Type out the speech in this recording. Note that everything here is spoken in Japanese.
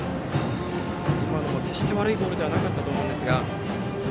今のも決して悪いボールではなかったと思いますが。